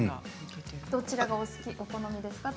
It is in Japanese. どちらがお好みですか？